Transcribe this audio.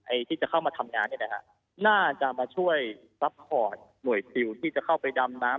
ไอ้ที่จะเข้ามาทำงานนี่แหละฮะน่าจะมาช่วยหน่วยที่จะเข้าไปดำน้ำ